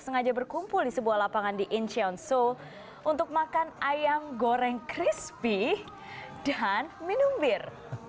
sengaja berkumpul di sebuah lapangan di incheon seoul untuk makan ayam goreng crispy dan minum bir